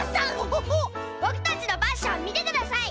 ぼくたちのパッションみてください！